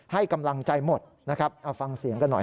ให้กำลังใจหมดนะครับเอาฟังเสียงกันหน่อย